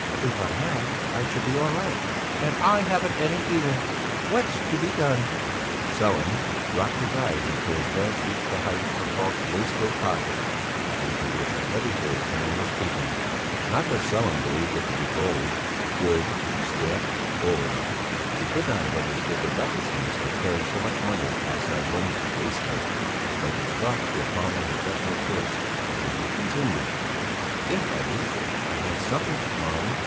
"If I had I should be all right." "And I haven't any either! What's to be done?" Sellén dropped his eyes until his glance reached the height of Falk's waistcoat pocket, into which a heavy gold chain was creeping; not that Sellén believed it to be gold, good, stamped gold. He could not have understood the recklessness of carrying so much money outside one's waistcoat. But his thoughts were following a definite course, and he continued: "If at least I had something to pawn!